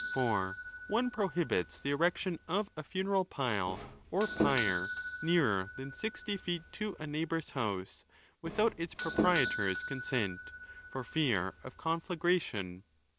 For one prohibits the erection of a funeral pile or pyre nearer than sixty feet toa neighbour's house, without its proprietor's consent, for fear of conflagration.